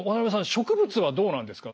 植物はどうなんですか？